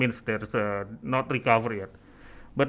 itu berarti belum ada penyelamat